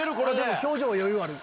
表情は余裕ある。